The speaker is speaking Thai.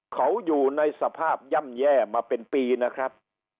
เขาอยู่ในสภาพย่ำแย่มาเป็นปีนะครับ